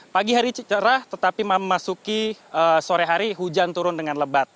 pagi hari cerah tetapi memasuki sore hari hujan turun dengan lebat